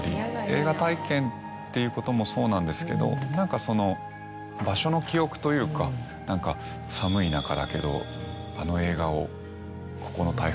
映画体験っていうこともそうなんですけど何かその場所の記憶というか何か。とかっていうその。